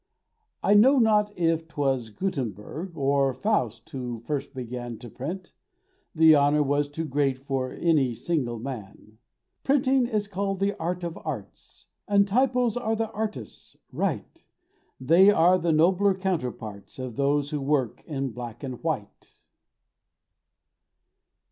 I know not if 'twas Guttenberg Or Faust who first began To print—the honour was too great For any single man. Printing is called the Art of Arts, And typos then are artists—right— They are the nobler counterparts Of those who work in Black and White.